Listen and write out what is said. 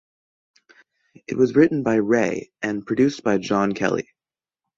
It was written by Rea and produced by Jon Kelly.